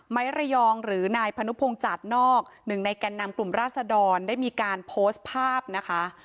ระยองหรือนายพนุพงศ์จัดนอกหนึ่งในแก่นนำกลุ่มราศดรได้มีการโพสต์ภาพนะคะ